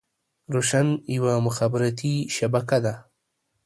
روشن يوه مخابراتي شبکه ده.